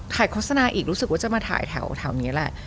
โฆษณาอีกรู้สึกว่าจะมาถ่ายแถวนี้แหละ